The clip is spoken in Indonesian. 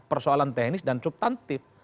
persoalan teknis dan subtantif